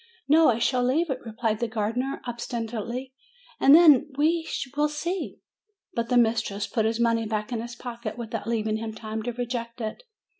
"No; I shall leave it," replied the gardener, ob stinately; "and then we will see." But the mistress put his money back in his pocket, without leaving him time to reject it.